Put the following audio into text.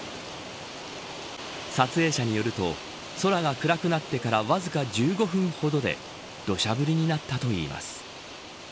撮影者によると、空が暗くなってからわずか１５分ほどで土砂降りになったといいます。